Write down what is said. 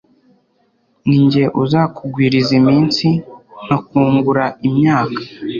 Ni jye uzakugwiriza iminsi Nkakungura imyaka